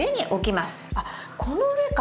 あっこの上か。